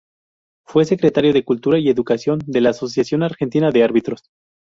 Fue secretario de cultura y educación de la Asociación Argentina de Árbitros.